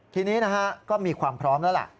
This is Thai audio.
ทีนี้นะฮะก็มีความพร้อมแล้วล่ะ